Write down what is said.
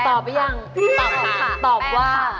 ตอบหรือยังตอบว่า